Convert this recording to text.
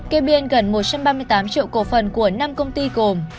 kê biên gần một trăm ba mươi tám triệu cổ phần của năm công ty gồm